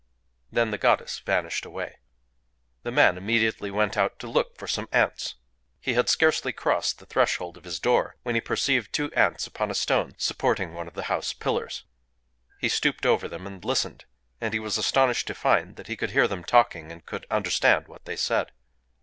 Then the goddess vanished away. The man immediately went out to look for some Ants. He had scarcely crossed the threshold of his door when he perceived two Ants upon a stone supporting one of the house pillars. He stooped over them, and listened; and he was astonished to find that he could hear them talking, and could understand what they said.